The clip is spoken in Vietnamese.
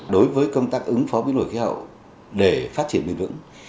đối với công tác ứng phó biến đổi khí hậu để phát triển bền vững